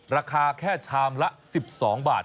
ราคาแค่ชามละ๑๒บาท